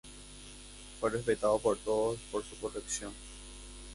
Fue respetado por todos, por su corrección.